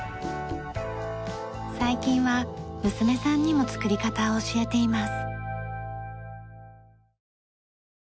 最近は娘さんにもつくり方を教えています。